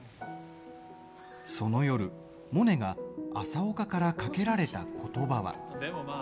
その夜、モネが朝岡からかけられたことばは。